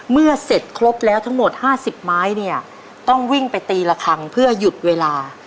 เมื่อเสร็จครบแล้วทั้งหมด๕๐ไม้เนี่ยต้องวิ่งไปตีละครั้งเพื่อหยุดเวลา